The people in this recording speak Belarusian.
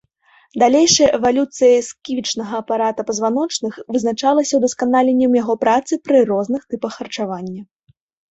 Далейшая эвалюцыя сківічнага апарата пазваночных вызначалася удасканаленнем яго працы пры розных тыпах харчавання.